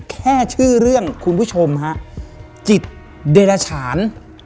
แค่ชื่อเรื่องคุณผู้ชมฮะจิตเดรฉาน